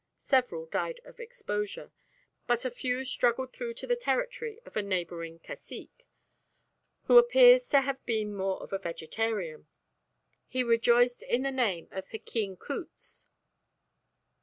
Several died of exposure, but a few struggled through to the territory of a neighbouring cacique, who appears to have been more of a vegetarian. He rejoiced in the name of Hkin Cutz.